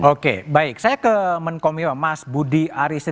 oke baik saya ke menkomio mas budi arisin